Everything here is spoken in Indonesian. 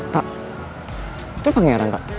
kak itu pangeran kak